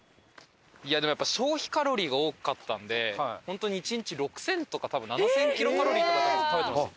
いやでもやっぱ消費カロリーが多かったので本当に１日６０００とか多分７０００キロカロリーとか食べてました。